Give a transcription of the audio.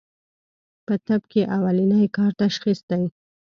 پۀ طب کښې اولنی کار تشخيص دی